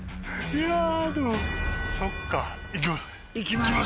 いやでもそっか行く？行きます！